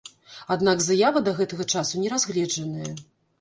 Аднак заява да гэтага часу не разгледжаная.